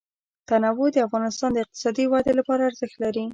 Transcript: تنوع د افغانستان د اقتصادي ودې لپاره ارزښت لري.